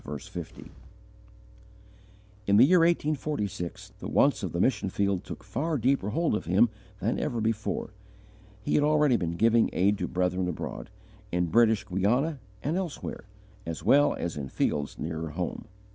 In the year 1846, the wants of the mission field took far deeper hold of him than ever before. He had already been giving aid to brethren abroad, in British Guiana and elsewhere, as well as in fields nearer at home.